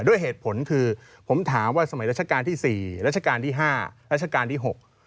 ด้วยเหตุผลคือผมถามว่าสมัยราชการที่๔รัชกาลที่๕รัชกาลที่๖